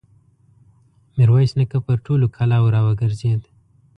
ميرويس نيکه پر ټولو کلاوو را وګرځېد.